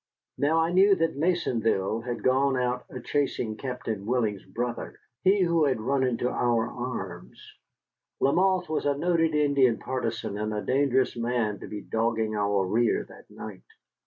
Now I knew that Maisonville had gone out a chasing Captain Willing's brother, he who had run into our arms. Lamothe was a noted Indian partisan and a dangerous man to be dogging our rear that night.